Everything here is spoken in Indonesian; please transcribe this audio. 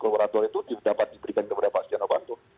collaborator itu dapat diberikan kepada pak stiano panto